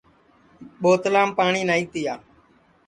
ٻوتلام پاٹؔی نائی تِیا